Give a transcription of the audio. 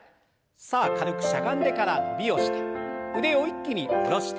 さあ軽くしゃがんでから伸びをして腕を一気に下ろして。